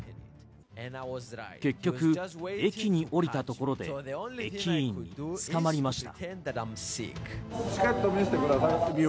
結局、駅に降りたところで駅員に捕まりました。